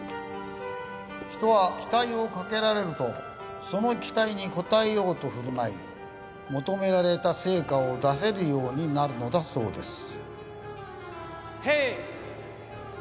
人は期待をかけられるとその期待に応えようと振る舞い求められた成果を出せるようになるのだそうです。